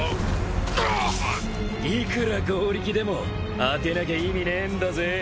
いくら強力でも当てなきゃ意味ねえんだぜ。